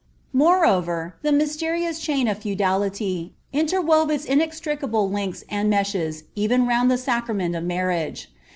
Moreover, the mysterious chain of feudality inter wove ita inextricable links and meshes even round the sacrament of marriage.